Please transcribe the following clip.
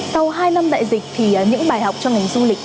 sau hai năm đại dịch thì những bài học cho ngành du lịch